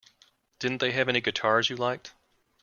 Didn't they have any guitars you liked?